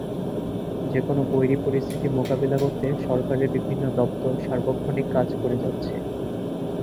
যেকোনো বৈরী পরিস্থিতি মোকাবিলা করতে সরকারের বিভিন্ন দপ্তর সার্বক্ষণিক কাজ করে যাচ্ছে।